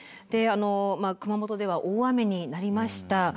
で熊本では大雨になりました。